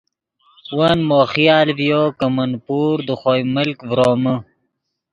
ون مو خیال ڤیو کہ من پور دے خوئے ملک ڤرومے